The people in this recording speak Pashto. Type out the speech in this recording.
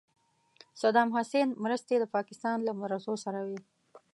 صدام حسین مرستې د پاکستان له مدرسو سره وې.